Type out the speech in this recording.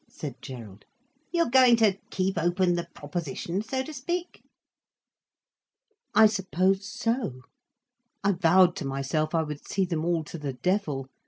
said Gerald. "You're going to keep open the proposition, so to speak?" "I suppose so. I vowed to myself I would see them all to the devil.